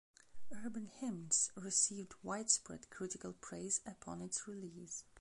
"Urban Hymns" received widespread critical praise upon its release.